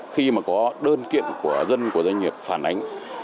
khi mà có đơn kiện của dân của doanh nghiệp phản ánh